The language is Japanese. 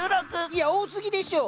いや多すぎでしょ！